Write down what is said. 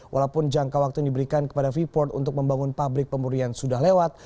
walaupun jangka waktu yang diberikan kepada freeport untuk membangun pabrik pemurian sudah lewat